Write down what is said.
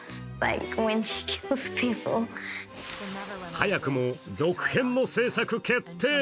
早くも続編の制作決定。